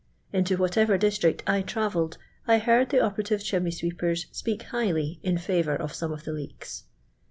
Into whatever district I travelled I lifard the oprrativt chiuuiey sweepcrs . pvak liiLriily in favour of ^.mie of the leeks.